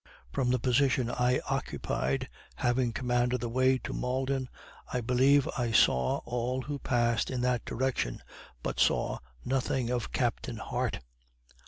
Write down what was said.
From the position I occupied, having command of the way to Malden, I believe I saw all who passed in that direction, but saw nothing of Captain Hart.